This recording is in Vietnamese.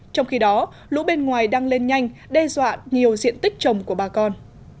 trong khi đó lũ bên ngoài đang lên nhanh đe dọa nhiều diện tích trồng của bà con